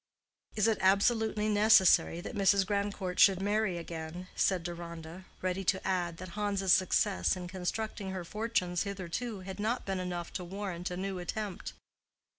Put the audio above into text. "Is it absolutely necessary that Mrs. Grandcourt should marry again?" said Deronda, ready to add that Hans's success in constructing her fortunes hitherto had not been enough to warrant a new attempt.